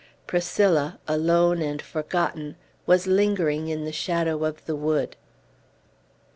Priscilla, alone and forgotten, was lingering in the shadow of the wood.